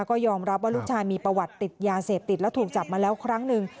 ก็ยอมรับว่าลูกชายมีประวัติติดยาเสพติดแล้วถูกจับมาแล้วครั้งหนึ่ง